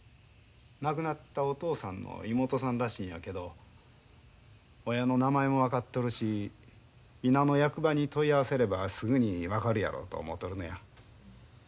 亡くなったお父さんの妹さんらしいんやけど親の名前も分かっとるし伊那の役場に問い合わせればすぐに分かるやろうと思うとるのや。